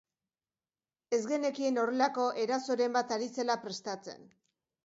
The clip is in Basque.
Ez genekien horrelako erasoren bat ari zela prestatzen.